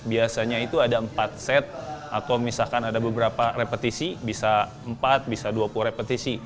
biasanya itu ada empat set atau misalkan ada beberapa repetisi bisa empat bisa dua puluh repetisi